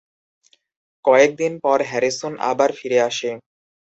কয়েক দিন পর হ্যারিসন আবার ফিরে আসে।